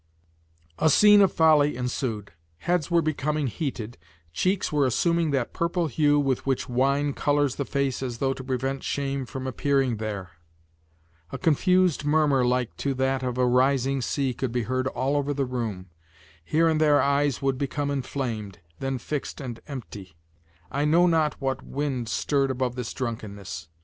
A scene of folly ensued. Heads were becoming heated, cheeks were assuming that purple hue with which wine colors the face as though to prevent shame from appearing there; a confused murmur like to that of a rising sea could be heard all over the room, here and there eyes would become inflamed, then fixed and empty; I know not what wind stirred above this drunkenness.